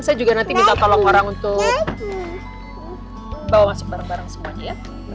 saya juga nanti minta tolong orang untuk bawa masuk barang barang semuanya ya